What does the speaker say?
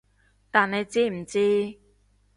但你知唔知